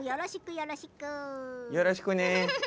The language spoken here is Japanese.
よろしくね。